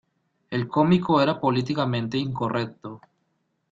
El cómico era políticamente incorrecto.